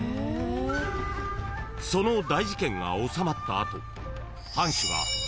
［その大事件が収まった後藩主が］